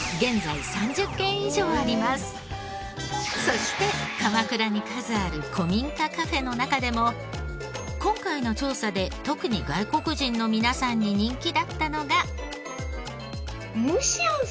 そして鎌倉に数ある古民家カフェの中でも今回の調査で特に外国人の皆さんに人気だったのが。